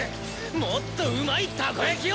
もっとうまいたこやきを！